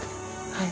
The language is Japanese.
はい。